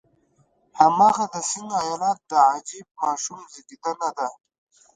هماغه د سند ایالت د عجیب ماشوم زېږېدنه ده.